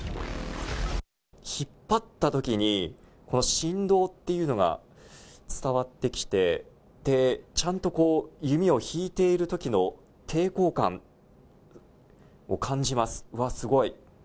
引っ張ったときにこの振動というのが伝わってきてちゃんと弓を引いているときの抵抗感を感じます。